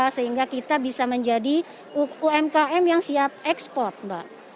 sehingga kita bisa menjadi umkm yang siap ekspor mbak